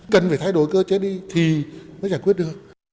cần phải thay đổi cơ chế đi thì mới giải quyết được